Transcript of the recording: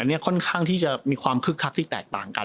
อันนี้ค่อนข้างที่จะมีความคึกคักที่แตกต่างกัน